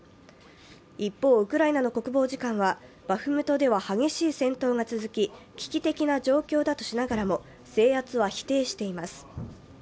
一方、ウクライナの国防次官はバフムトでは激しい戦闘が続き、危機的な状況だとしながらも制圧は否定しています。